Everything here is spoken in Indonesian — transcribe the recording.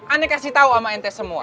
aneh kasih tau sama ente semua